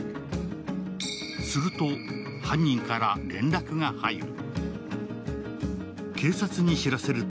すると、犯人から連絡が入る。